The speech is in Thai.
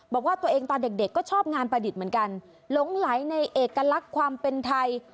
บอกว่าตัวเองตอนเด็กเด็กก็ชอบงานประดิษฐ์เหมือนกันหลงไหลในเอกลักษณ์ความเป็นไทย